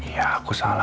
ya aku salah